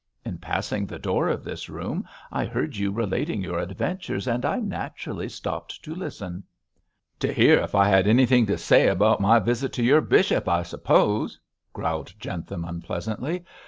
In passing the door of this room I heard you relating your adventures, and I naturally stopped to listen.' 'To hear if I had anything to say about my visit to your bishop, I suppose?' growled Jentham, unpleasantly.